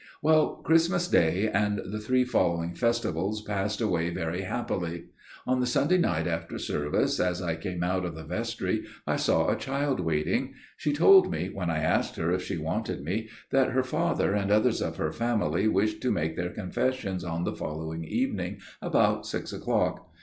"Well, Christmas Day and the three following festivals passed away very happily. On the Sunday night after service, as I came out of the vestry, I saw a child waiting. She told me, when I asked her if she wanted me, that her father and others of her family wished to make their confessions on the following evening about six o'clock.